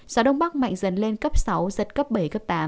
gió đông bắc mạnh dần lên cấp sáu giật cấp bảy cấp tám